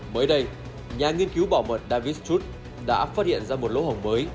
mới đây nhà nghiên cứu bảo mật david streot đã phát hiện ra một lỗ hồng mới